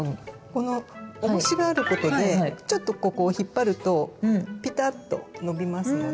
このおもしがあることでちょっとここを引っ張るとピタッとのびますので。